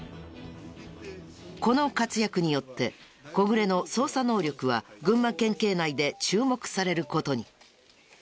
この活躍によって小暮の捜査能力は群馬県警内で注目される事に。